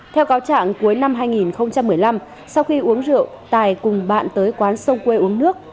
theo cáo trạng cuối năm hai nghìn một mươi năm sau khi uống rượu tài cùng bạn tới quán sông quê uống nước